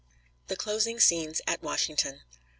THE CLOSING SCENES AT WASHINGTON.